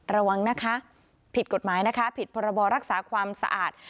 ระวังนะคะผิดกฎหมายนะคะผิดพรบรักษาความสะอาด